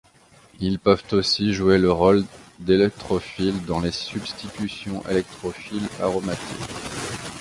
Ils peuvent aussi jouer le rôle d'électrophiles dans les substitutions électrophiles aromatiques.